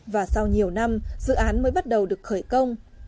và sau nhiều năm dự án mới bắt đầu được khởi công